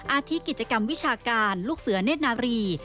อาทิตกิจกรรมวิชาการลูกเสือเนธนารี